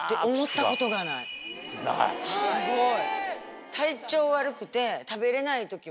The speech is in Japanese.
・すごい！